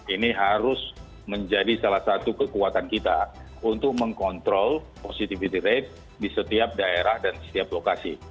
ini harus menjadi salah satu kekuatan kita untuk mengkontrol positivity rate di setiap daerah dan setiap lokasi